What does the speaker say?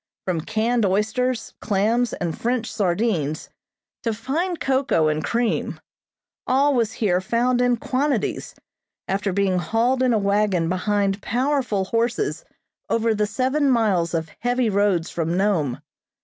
From canned oysters, clams and French sardines, to fine cocoa and cream, all was here found in quantities, after being hauled in a wagon behind powerful horses over the seven miles of heavy roads from Nome.